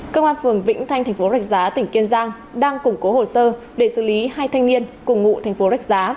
công an phường vĩnh thanh tp rạch giá tỉnh kiên giang đang củng cố hồ sơ để xử lý hai thanh niên cùng ngụ tp rạch giá